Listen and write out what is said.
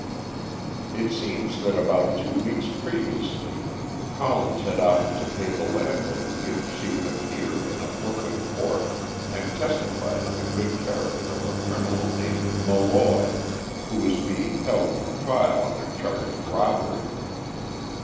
It seems that about two weeks previously Collins had offered to pay the landlady if she would appear in a Brooklyn court and testify to the good character of a criminal named Molloy, who was being held for trial on a charge of robbery.